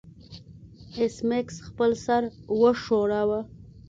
ایس میکس خپل سر وښوراوه